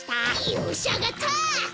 よしあがった！